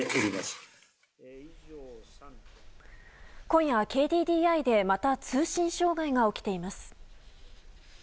今夜、ＫＤＤＩでまた通信障害が起きています。